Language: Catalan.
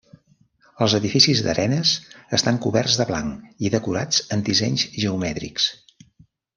Els edificis d'arenes estan coberts de blanc i decorats amb dissenys geomètrics.